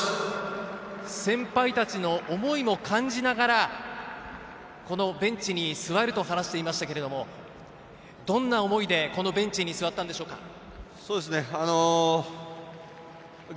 先輩たちの思いも感じながら、このベンチに座ると話していましたが、どんな思いでこのベンチに座ったんでしょうか？